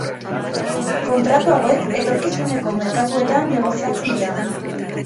Kontratu hauek etorkizuneko merkatuetan negoziatzen dira.